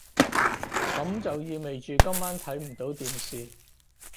噉就意味住今晚睇唔到電視